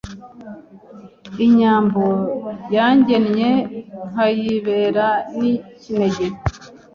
Iyi Nyambo yangennye Nkayibera n'ikinege